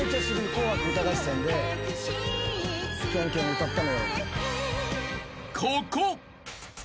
『紅白歌合戦』でキョンキョン歌った。